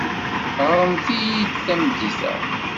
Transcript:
Ɣremt-iyi-d tameddit-a.